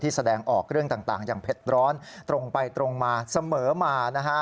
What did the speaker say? แสดงออกเรื่องต่างอย่างเผ็ดร้อนตรงไปตรงมาเสมอมานะฮะ